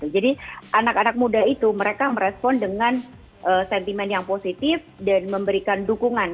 anak anak muda itu mereka merespon dengan sentimen yang positif dan memberikan dukungan